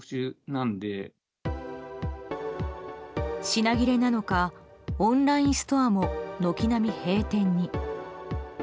品切れなのかオンラインストアも軒並み閉店に。